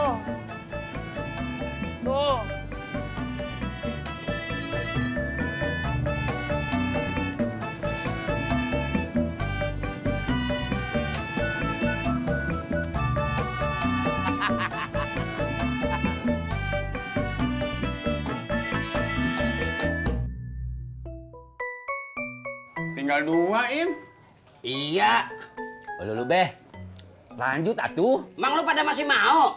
hai nah dua hum iya lu be lanjut satu malu cewek